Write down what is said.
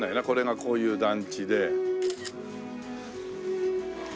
これがこういう団地で。